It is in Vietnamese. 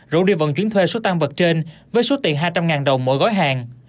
rủ đi vận chuyển thuê số tăng vật trên với số tiền hai trăm linh đồng mỗi gói hàng